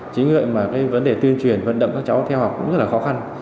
chính vậy mà cái vấn đề tuyên truyền vận động các cháu theo học cũng rất là khó khăn